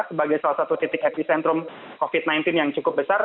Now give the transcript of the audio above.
sebagai salah satu titik epicentrum covid sembilan belas yang cukup besar